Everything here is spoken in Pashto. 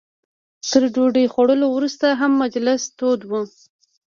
تر ډوډۍ خوړلو وروسته هم مجلس تود و.